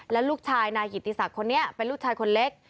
และลูกชายนายกิติศักดิ์คนนี้เป็นลูกชายคนเล็ก